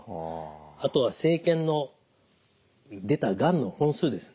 あとは生検の出たがんの本数ですね。